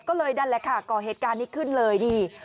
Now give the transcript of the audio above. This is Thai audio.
ก็เลยนั่นแหละค่ะก่อเหตุการณ์นี้ขึ้นเลยนี่